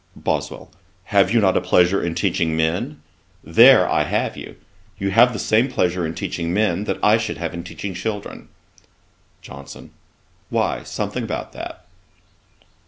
BOSWELL. 'Have you not a pleasure in teaching men? There I have you. You have the same pleasure in teaching men, that I should have in teaching children.' JOHNSON. 'Why, something about that.'